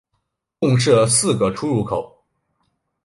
共设四个出入口。